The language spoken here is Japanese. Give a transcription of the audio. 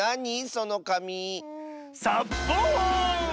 そのかみ。サッボーン！